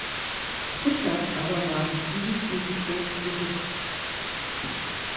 Richard aber war sich dieses Risikos bewusst.